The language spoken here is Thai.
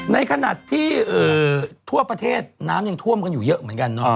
ในขณะที่ทั่วประเทศน้ำยังท่วมกันอยู่เยอะเหมือนกันเนาะ